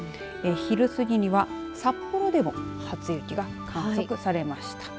昼過ぎには札幌でも初雪が観測されました。